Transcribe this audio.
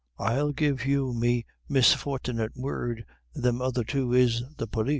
"I'll give you me misfort'nit word thim other two is the pólis."